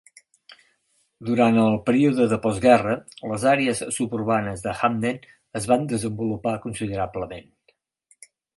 Durant el període de postguerra, les àrees suburbanes de Hamden es van desenvolupar considerablement.